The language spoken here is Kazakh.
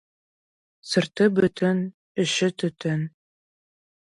Сырты бүтін, іші түтін.